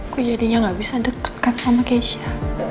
gue jadinya gak bisa deketkan sama kesya